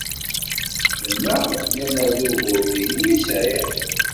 Mennaɣ lemmer d uguren-nnem ay sɛiɣ.